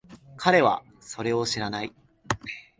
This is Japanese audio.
彼はそれを知らない。